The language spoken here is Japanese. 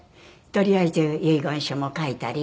とりあえず遺言書も書いたり。